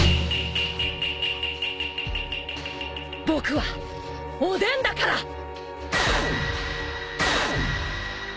僕はおでんだから！